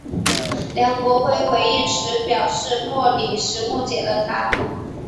梁国辉回应时表示莫礼时误解了他。